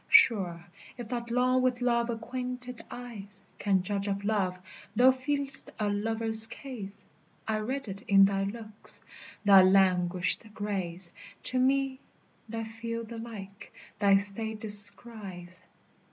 Sure, if that long with love acquainted eyes Can judge of love, thou feel'st a lover's case; I read it in thy looks; thy languished grace To me, that feel the like, thy state descries.